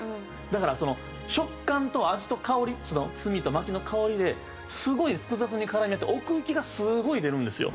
だから食感と味と香り炭と薪の香りですごい複雑に絡み合って奥行きがすごい出るんですよ。